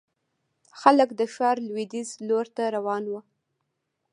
خلک د ښار لوېديځ لور ته روان ول.